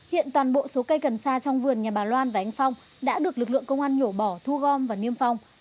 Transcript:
hiện toàn bộ số cây cần sa trong vườn nhà bà loan và anh phong đã được lực lượng công an nhổ bỏ thu gom và niêm phong